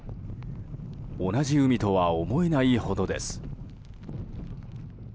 同じ海とは思えないほどです。